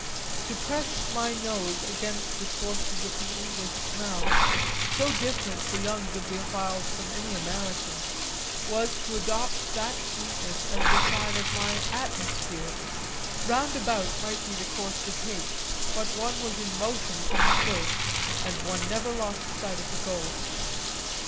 To press my nose against the sources of the English smell, so different for young bibliophiles from any American, was to adopt that sweetness as the sign of my "atmosphere"; roundabout might be the course to take, but one was in motion from the first and one never lost sight of the goal.